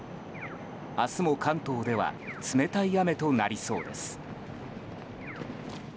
明日も関東では冷たい雨となりそうです。